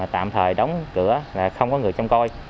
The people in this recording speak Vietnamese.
tạm thời đóng cửa là không có người chăm coi